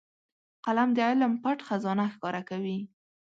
قلم د علم پټ خزانه ښکاره کوي